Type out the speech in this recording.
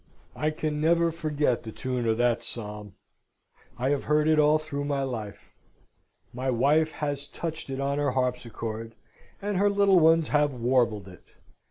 I can never forget the tune of that psalm. I have heard it all through my life. My wife has touched it on her harpsichord, and her little ones have warbled it.